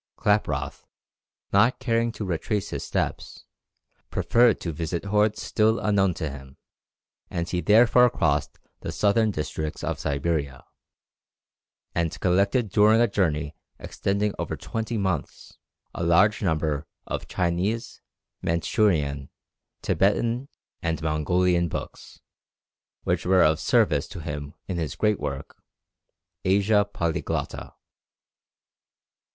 Klaproth, not caring to retrace his steps, preferred to visit hordes still unknown to him, and he therefore crossed the southern districts of Siberia, and collected during a journey extending over twenty months, a large number of Chinese, Mandchoorian, Thibetan, and Mongolian books, which were of service to him in his great work "Asia Polyglotta."